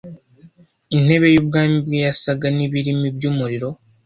Intebe y ubwami bwe yasaga n ibirimi by umuriro